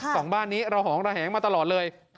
สองบ้านนี้ระหองระแหงมาตลอดเลย